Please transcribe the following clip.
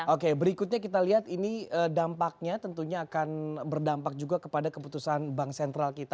oke berikutnya kita lihat ini dampaknya tentunya akan berdampak juga kepada keputusan bank sentral kita